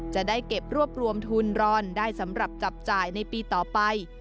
จะได้เก็บรวบรวมทุนรอนได้สำหรับจับจ่ายในปีต่อไป